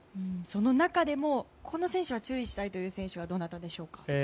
その中でもこの選手は注意したいという選手はどなたでしょう。